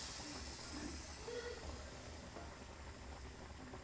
Počet svazků a obsahu se v různých vydáních mírně liší.